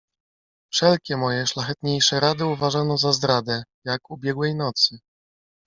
"Wszelkie moje szlachetniejsze rady uważano za zdradę, jak ubiegłej nocy."